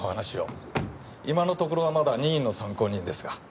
今のところはまだ任意の参考人ですが。